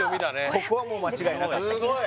ここはもう間違いなかったすごい！